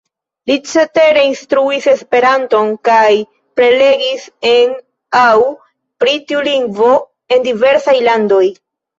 Li cetere instruis Esperanton kaj prelegis en aŭ pri tiu lingvo en diversaj landoj.